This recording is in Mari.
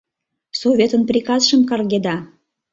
Советын приказшым каргеда...